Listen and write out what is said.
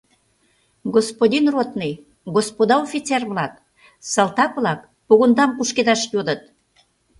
— Господин ротный, господа офицер-влак, салтак-влак погондам кушкедаш йодыт.